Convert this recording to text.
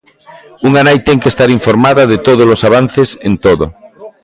Unha nai ten que estar informada de todos os avances en todo.